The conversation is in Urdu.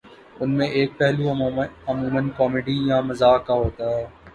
ان میں ایک پہلو عمومًا کامیڈی یا مزاح کا ہوتا ہے